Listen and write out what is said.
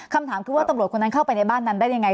คำถามคือว่าตำรวจคนนั้นเข้าไปในบ้านนั้นได้ยังไง